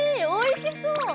おいしそう。